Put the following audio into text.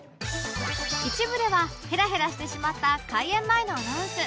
１部ではヘラヘラしてしまった開演前のアナウンス